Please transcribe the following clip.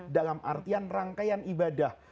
dalam artian rangkaian ibadah